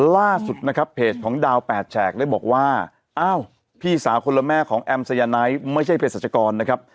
ล่าสุดนะครับเพจของดาว๘แฉกได้บอกว่าอ้าวพี่สาวคนละแม่ของแอมสยาไนท์ไม่ใช่เพศรัชกรนะครับ